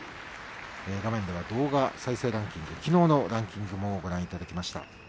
画面では動画再生ランキングきのうのランキングもご覧いただきました。